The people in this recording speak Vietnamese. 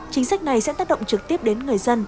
chính sách này sẽ tác động trực tiếp đến người dân